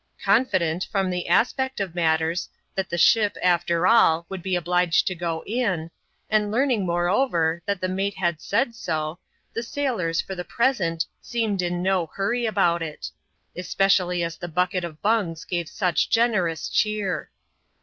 Confident, from the aspect of matters, that the ship, after all> would be obliged to go in ; and learning, moreover, that the mate had said so, the sailors, for the present, seemed in no hurry about it ; especially as the bucket of Bungs gave such generous cheer.